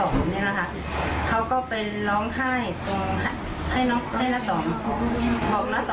บีบีไม่ได้ไปป่าเลยทำไมไม่ไปพูดให้บีบีแบบนี้